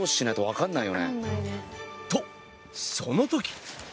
とその時。